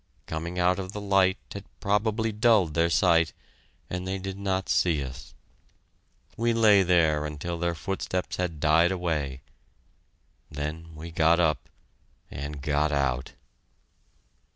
Coming out of the light had probably dulled their sight, and they did not see us. We lay there until their footsteps had died away. Then we got up, and got out!